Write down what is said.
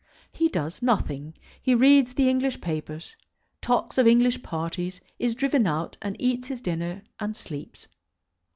He does nothing. He reads the English papers, and talks of English parties, is driven out, and eats his dinner, and sleeps.